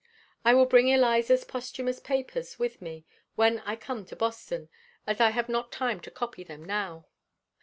I will bring Eliza's posthumous papers with me when I come to Boston, as I have not time to copy them now.